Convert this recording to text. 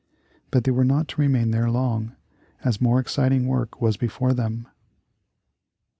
But they were not to remain there long, as more exciting work was before them.